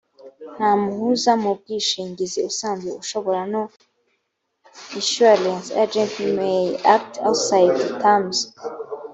nta muhuza mu bwishingizi usanzwe ushobora no insurance agent may act outside the terms